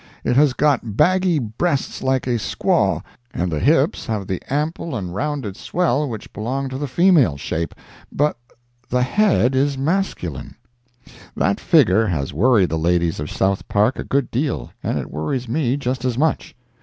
It has got baggy breasts like a squaw, and the hips have the ample and rounded swell which belong to the female shape; but the head is masculine. That figure has worried the ladies of South Park a good deal, and it worries me just as much.